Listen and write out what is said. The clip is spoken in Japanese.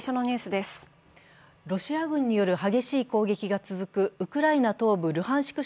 ロシア軍による激しい攻撃が続くウクライナ東部ルハンシク